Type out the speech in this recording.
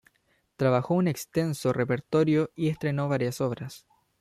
Trabajó un extenso repertorio y estrenó varias obras.